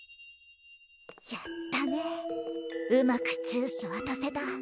やったねうまくジュースわたせた。